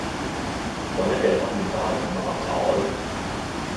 唯一嘅心願就係中六合彩